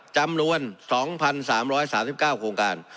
จำนวน๒๓๓๙โครงการ